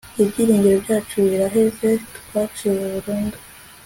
ibyiringiro byacu biraheze twaciwe burundu